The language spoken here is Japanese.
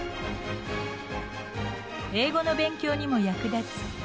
英語の勉強にも役立つ